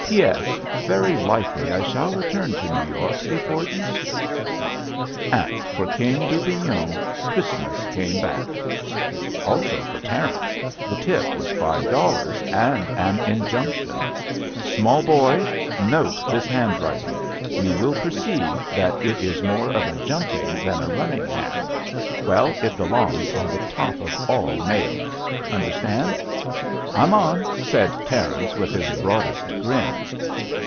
"P. S. Very likely I shall return to New York be fore Easter." And for King Dubignon, Christmas came back. Also for Terence. The tip was five dollars, and an injunction : "Small boy, note this handwriting 1 You JUST SWEETHEARTS J^ will perceive that it is more of a jumping than a running hand— well, it belongs on the top of all mail. Understand?" "I'm on," said Terence with his broadest grin.